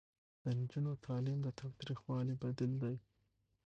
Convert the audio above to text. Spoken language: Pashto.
د نجونو تعلیم د تاوتریخوالي بدیل دی.